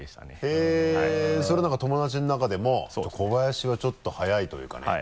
へぇっそれ何か友達の中でも小林はちょっと速いというかね。